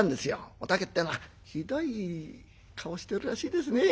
お竹ってえのはひどい顔してるらしいですね。